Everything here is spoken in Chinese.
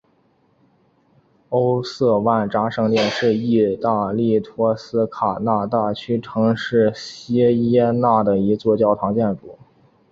欧瑟万扎圣殿是义大利托斯卡纳大区城市锡耶纳的一座教堂建筑。